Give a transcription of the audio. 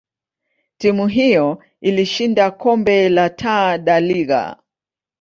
timu hiyo ilishinda kombe la Taa da Liga.